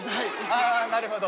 ああなるほど。